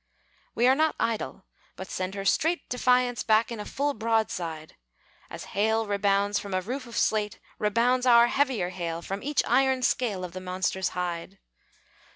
We are not idle, but send her straight Defiance back in a full broadside! As hail rebounds from a roof of slate, Rebounds our heavier hail From each iron scale Of the monster's hide.